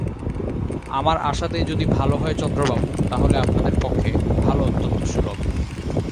আমার আসাতেই যদি ভালো হয় চন্দ্রবাবু, তা হলে আপনাদের পক্ষে ভালো অত্যন্ত সুলভ।